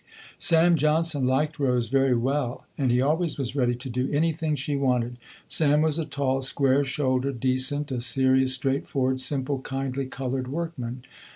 Sam Johnson liked Rose very well and he always was ready to do anything she wanted. Sam was a tall, square shouldered, decent, a serious, straightforward, simple, kindly, colored workman.